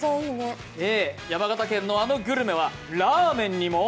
山形県のあのグルメは、ラーメンにも？